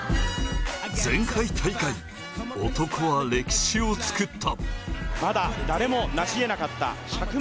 前回大会、男は歴史を作った。